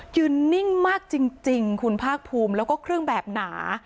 นิ่งมากจริงคุณภาคภูมิแล้วก็เครื่องแบบหนา